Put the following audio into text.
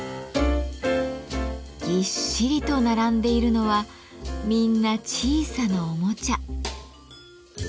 ぎっしりと並んでいるのはみんな小さなおもちゃ。